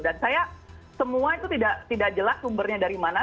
dan saya semua itu tidak jelas sumbernya dari mana